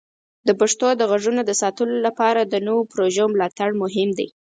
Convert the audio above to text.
د پښتو د غږونو د ساتلو لپاره د نوو پروژو ملاتړ مهم دی.